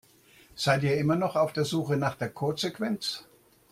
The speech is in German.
Seid ihr noch immer auf der Suche nach der Codesequenz?